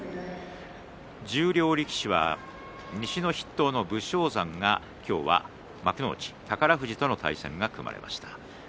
十両力士は西の筆頭の武将山が今日、幕内宝富士との対戦が組まれました。